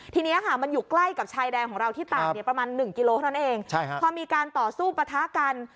ทีนี้ค่ะมันอยู่ใกล้กับชายแดนของเราที่ต่างเนี่ย